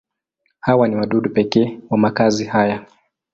Hawa ni wadudu pekee wa makazi haya.